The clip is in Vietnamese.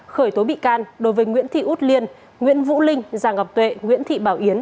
khởi tố bị can đối với nguyễn thị út liên nguyễn vũ linh giàng ngọc tuệ nguyễn thị bảo yến